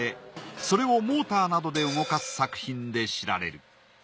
それをモーターなどで動かす作品で知られる。